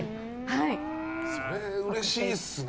それ、うれしいですね。